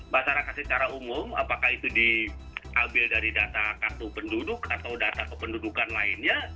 masyarakat secara umum apakah itu diambil dari data kartu penduduk atau data kependudukan lainnya